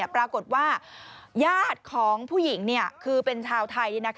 ปรากฏว่าญาติของผู้หญิงคือเป็นชาวไทย